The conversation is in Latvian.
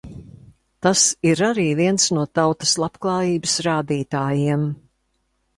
Tas ir arī viens no tautas labklājības rādītājiem.